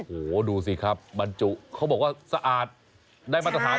โอ้โหดูสิครับบรรจุเขาบอกว่าสะอาดได้มาตรฐาน